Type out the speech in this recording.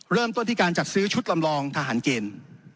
เริ่มต้นที่การจัดซื้อชุดลำลองทหารเกณฑ์